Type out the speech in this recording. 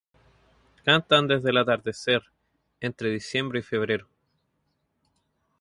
Cantan desde el atardecer, entre diciembre y febrero.